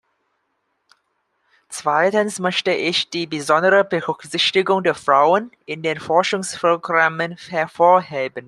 Zweitens möchte ich die besondere Berücksichtigung der Frauen in den Forschungsprogrammen hervorheben.